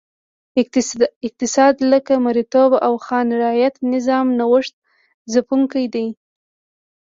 اقتصاد لکه مریتوب او خان رعیت نظام نوښت ځپونکی دی.